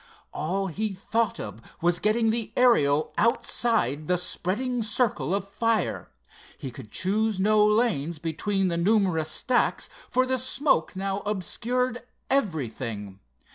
All he thought of was getting the Ariel outside the spreading circle of fire. He could choose no lanes between the numerous stacks, for the smoke now obscured everything.